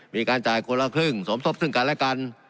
มีการจ่ายคนละครึ่งสมทบซึ่งกันและกัน